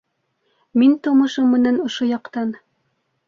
Мин тыумышым менән ошо яҡтан.